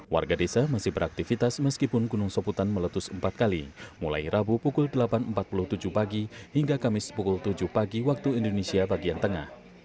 warga desa masih beraktivitas meskipun gunung soputan meletus empat kali mulai rabu pukul delapan empat puluh tujuh pagi hingga kamis pukul tujuh pagi waktu indonesia bagian tengah